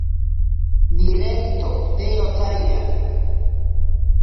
Nirento te otsaiya.